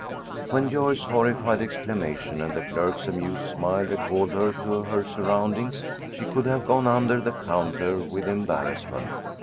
When Joyce's horrified exclamation and the clerk's amused smile recalled her to her surroundings, she could have gone under the counter with embarrassment.